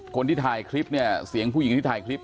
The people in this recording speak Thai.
คนที่ถ่ายคลิปเนี่ยเสียงผู้หญิงที่ถ่ายคลิป